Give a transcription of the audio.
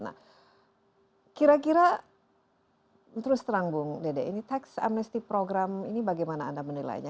nah kira kira terus terang bung dede ini tax amnesty program ini bagaimana anda menilainya